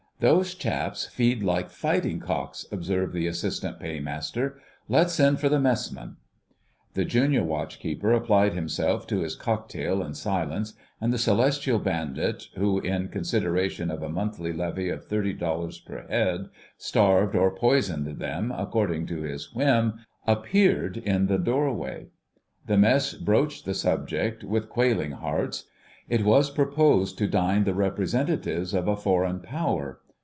"Those chaps feed like fighting cocks," observed the Assistant Paymaster. "Let's send for the Messman." The Junior Watch keeper applied himself to his cocktail in silence, and the Celestial bandit who, in consideration of a monthly levy of thirty dollars per head, starved or poisoned them according to his whim, appeared in the doorway. The Mess broached the subject with quailing hearts; it was proposed to dine the representatives of a foreign Power.